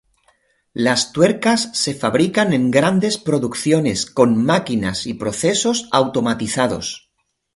Las tuercas se fabrican en grandes producciones con máquinas y procesos automatizados.